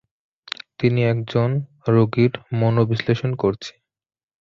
আমি একজন রোগীর মনোবিশ্লেষণ করছি।